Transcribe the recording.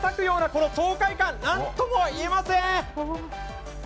この爽快感、何とも言えません。